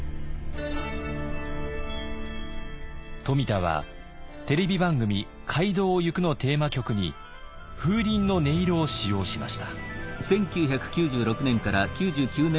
冨田はテレビ番組「街道をゆく」のテーマ曲に風鈴の音色を使用しました。